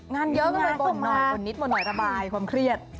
งานเยอะก็เลยบ่นหน่อยบ่นนิดบ่นหน่อยระบายความเครียด